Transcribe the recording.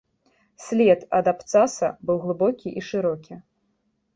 След ад абцаса быў глыбокі і шырокі.